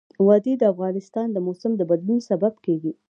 وادي د افغانستان د موسم د بدلون سبب کېږي.